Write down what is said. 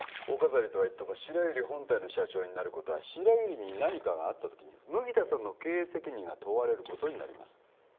お飾りとはいっても白百合本体の社長になることは白百合に何かがあった時に麦田さんの経営責任が問われることになります